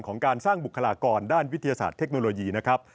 การสร้างบุคลากรด้านวิทยาศาสตร์เทคโนโลยีนะครับ